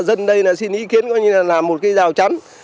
dân đây xin ý kiến là một cái rào chắn